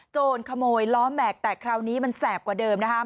โจรขโมยล้อแม็กซ์แต่คราวนี้มันแสบกว่าเดิมนะคะ